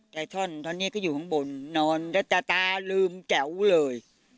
ใจท่อนตอนนี้ก็อยู่ข้างบนนอนแล้วตาตาลืมแจ๋วเลย